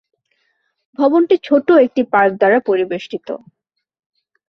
ভবনটি ছোট একটি পার্ক দ্বারা পরিবেষ্টিত।